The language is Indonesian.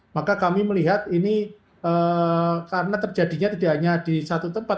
maka kami melihat ini karena terjadinya tidak hanya di satu tempat